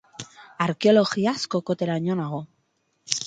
Arkeologiaz kokoteraino nago.